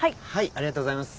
ありがとうございます。